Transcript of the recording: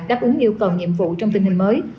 đáp ứng yêu cầu nhiệm vụ trong tình hình mới